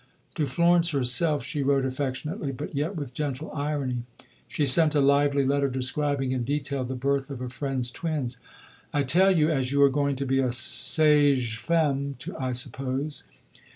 To Florence herself she wrote affectionately, but yet with gentle irony. She sent a lively letter describing in detail the birth of a friend's twins: "I tell you, as you are going to be a sage femme, I suppose."